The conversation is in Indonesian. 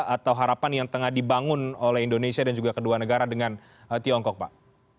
atau harapan yang tengah dibangun oleh indonesia dan juga kedua negara dengan tiongkok pak